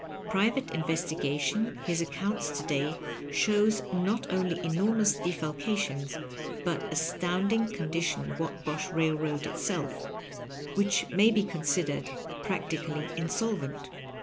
Private investigation his accounts to day shows not only enormous defalcations but astounding condi tion Whatbosh Railroad itself, which may be considered practically insolvent.